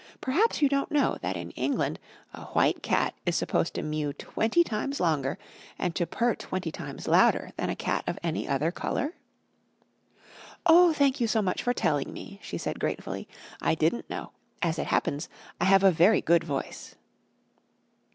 Perhaps you don't know that in England a white cat is supposed to mew twenty times longer and to purr twenty times louder than a cat of any other colour?" "Oh, thank you so much for telling me," she said gratefully. "I didn't know. As it happens, I have a very good voice."